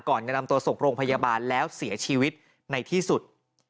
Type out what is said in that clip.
ก่อนจะนำตัวส่งโรงพยาบาลแล้วเสียชีวิตในที่สุด